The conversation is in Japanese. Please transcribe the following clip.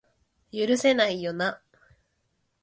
許せないよな